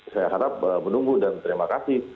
saya harap menunggu dan terima kasih